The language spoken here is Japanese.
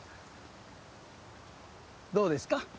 どうですか？